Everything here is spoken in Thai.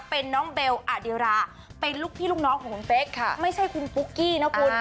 เป็นน้องเบลอดิราเป็นลูกพี่ลูกน้องของคุณเป๊กไม่ใช่คุณปุ๊กกี้นะคุณ